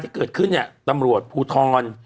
ที่เกิดขึ้นเนี่ยตำรวจภูทร